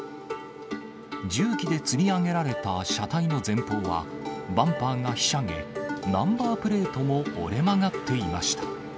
重機でつり上げられた車体の前方は、バンパーがひしゃげ、ナンバープレートも折れ曲がっていました。